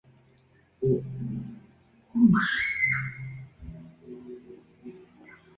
幻影袋鼠的目击事件。